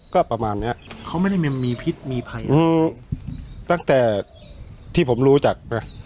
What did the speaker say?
ก็ประมาณเนี้ยเขาไม่ได้มีพิษมีภัยตั้งแต่ที่ผมรู้จักนะ